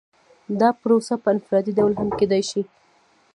دا پروسه په انفرادي ډول هم کیدای شي.